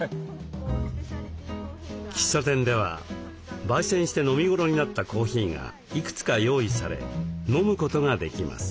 喫茶店ではばい煎して飲みごろになったコーヒーがいくつか用意され飲むことができます。